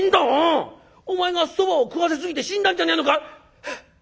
「うん。お前がそばを食わせすぎて死んだんじゃねえのか？」。